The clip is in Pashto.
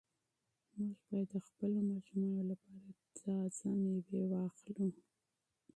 موږ باید د خپلو ماشومانو لپاره تازه مېوې واخلو.